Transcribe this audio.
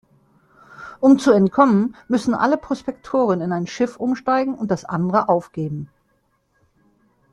Um zu entkommen, müssen alle Prospektoren in ein Schiff umsteigen und das andere aufgeben.